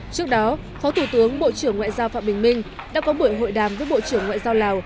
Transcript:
trước đó phó thủ tướng bộ trưởng ngoại giao phạm bình minh đã có buổi hội đàm với bộ trưởng ngoại giao lào